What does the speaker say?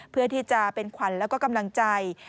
เพื่อที่จะเป็นขวัญแล้วก็กำลังใจ